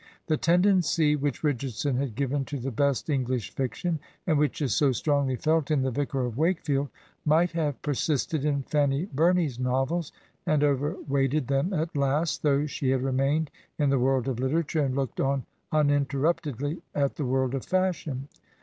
The tendency which Richardson had given to the best EngUsh fiction, and which is so strongly felt in " The Vicar of Wake field/' might have persisted in Fanny Bumey's novels, and overweighted them at last, though she had remained in the world of literature, and looked on uninterruptedly at the world of fashion.